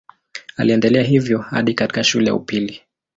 Aliendelea hivyo hadi katika shule ya upili.